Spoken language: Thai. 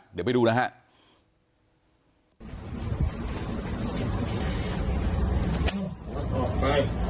เดี๋ยวไปดูนะครับ